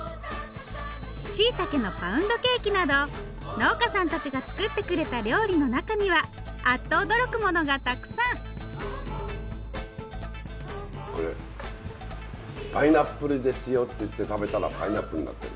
しいたけのパウンドケーキなど農家さんたちが作ってくれた料理の中にはあっと驚くものがたくさんこれパイナップルですよって言って食べたらパイナップルになってる。